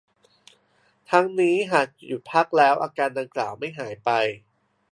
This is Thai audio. ทั้งนี้ หากหยุดพักแล้วอาการดังกล่าวไม่หายไป